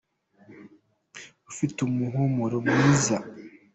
ufite umuhumuro mwiza.